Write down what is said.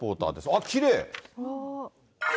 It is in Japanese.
あっ、きれい。